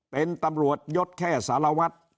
เป็นตำรวจยดแค่สารวัตร